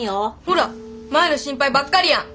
ほら舞の心配ばっかりやん！